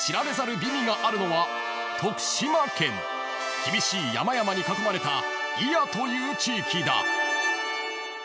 ［厳しい山々に囲まれた祖谷という地域だ］